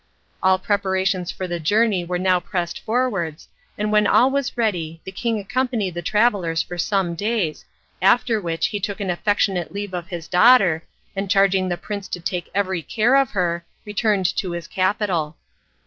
All preparations for the journey were now pressed forwards, and when all was ready the king accompanied the travellers for some days, after which he took an affectionate leave of his daughter, and charging the prince to take every care of her, returned to his capital.